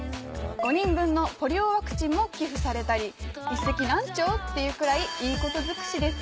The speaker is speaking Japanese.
５人分のポリオワクチンも寄付されたり「一石何鳥？」っていうくらいいいことずくしです。